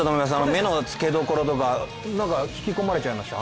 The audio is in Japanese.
目のつけどころとか、引き込まれちゃいました。